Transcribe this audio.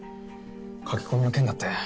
書き込みの件だって。